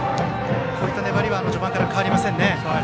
こういった粘りは序盤から変わりませんね。